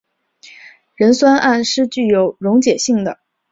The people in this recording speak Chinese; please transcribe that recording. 壬酸铵是具有溶解性的。